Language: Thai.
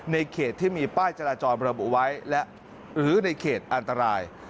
ในเขตที่มีป้ายจราจรระบุไว้และอื้อในเขตอันตราย